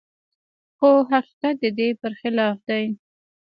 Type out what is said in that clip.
خو حقيقت د دې پرخلاف دی.